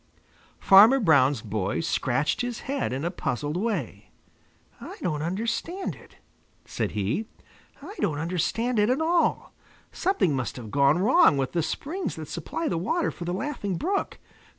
Farmer Brown's boy scratched his head in a puzzled way. "I don't understand it," said he. "I don't understand it at all. Something must have gone wrong with the springs that supply the water for the Laughing Brook.